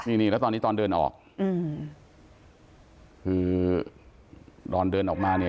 นี่นี่แล้วตอนนี้ตอนเดินออกอืมคือตอนเดินออกมาเนี่ย